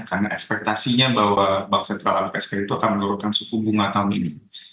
karena ekspektasinya bahwa bank sentral amerika serikat itu akan menurunkan suku bunga tahun ini